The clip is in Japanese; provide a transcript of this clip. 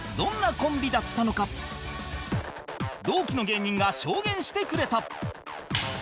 同期の芸人が証言してくれた